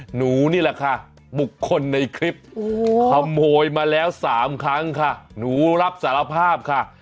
หนูนี่แหละค่ะบุคคลในคลิปขโมยมาแล้ว๓ครั้งค่ะหนูรับสารภาพค่ะ